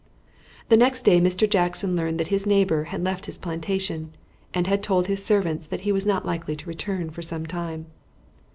The next day Mr. Jackson learned that his neighbor had left his plantation, and had told his servants that he was not likely to return for some time.